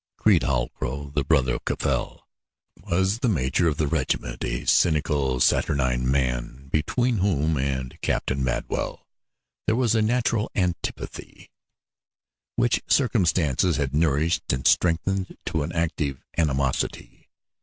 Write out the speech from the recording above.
Creede Halcrow, the brother of Caffal, was the major of the regiment a cynical, saturnine man, between whom and Captain Madwell there was a natural antipathy which circumstances had nourished and strengthened to an active animosity.